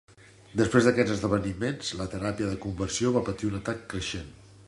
Després d'aquests esdeveniments, la teràpia de conversió va patir un atac creixent.